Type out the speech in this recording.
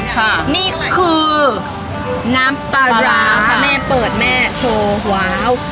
ค่ะนี่คือน้ำปลาร้าถ้าแม่เปิดแม่โชว์ว้าว